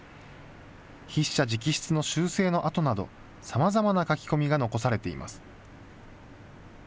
筆者直筆の修正のあとなど、さまざまな書き込みが残されています。